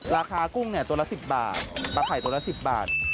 กุ้งตัวละ๑๐บาทปลาไข่ตัวละ๑๐บาท